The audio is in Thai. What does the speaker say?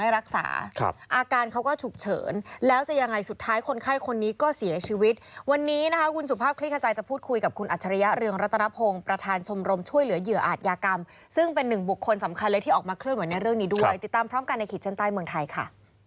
เดี๋ยวออกมาเคลื่อนไหวในเรื่องนี้ด้วยครับติดตามพร้อมการเนื้อขีดชั้นใต้เมืองไทยค่ะ